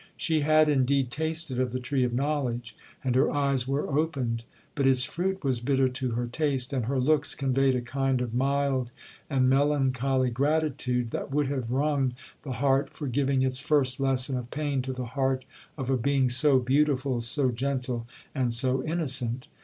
She had, indeed, tasted of the tree of knowledge, and her eyes were opened, but its fruit was bitter to her taste, and her looks conveyed a kind of mild and melancholy gratitude, that would have wrung the heart for giving its first lesson of pain to the heart of a being so beautiful, so gentle, and so innocent.